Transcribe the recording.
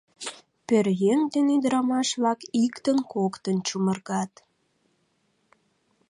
Пӧръеҥ ден ӱдырамаш-влак иктын-коктын чумыргат.